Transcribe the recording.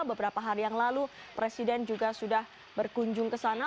beberapa hari yang lalu presiden juga sudah berkunjung ke sana